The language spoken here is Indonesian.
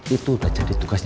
itu udah jadi tugasnya